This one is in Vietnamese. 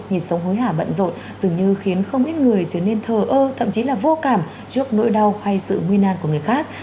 nhịp sống hối hả bận rộn dường như khiến không ít người trở nên thờ ơ thậm chí là vô cảm trước nỗi đau hay sự nguy nan của người khác